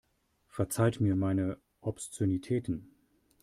Verzeiht mir meine Obszönitäten.